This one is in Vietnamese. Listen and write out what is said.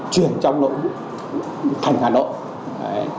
chuyển trong nội thành hà nội